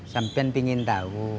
sampen pingin tahu